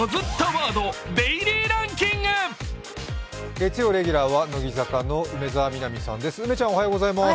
月曜レギュラーは乃木坂の梅澤美波ちゃんです。